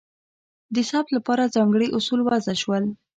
د ثبت لپاره ځانګړي اصول وضع شول.